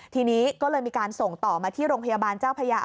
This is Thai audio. ทีนี้ก็เลยมีการส่งต่อมาที่โรงพยาบาลเจ้าพญา